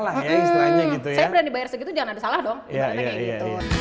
lah ya istilahnya gitu ya saya berani dibayar segitu jangan ada salah dong iya iya iya